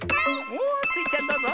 おおスイちゃんどうぞ！